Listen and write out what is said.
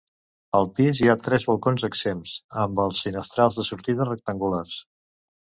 Al pis hi ha tres balcons exempts, amb els finestrals de sortida rectangulars.